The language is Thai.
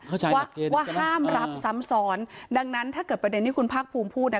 ว่าห้ามรับซ้ำซ้อนดังนั้นถ้าเกิดประเด็นที่คุณภาคภูมิพูดเนี่ย